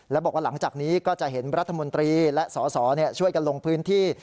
และบอกว่าหลังจากนี้ก็จะเห็นรัฐมนตรีและสสช่วยกันลงพื้นที่